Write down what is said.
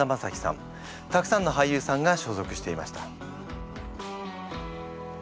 たくさんの俳優さんが所属していました。